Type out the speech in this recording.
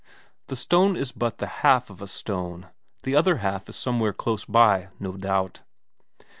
The stone is but the half of a stone, the other half is somewhere close by, no doubt.